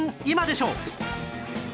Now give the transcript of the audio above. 今でしょ』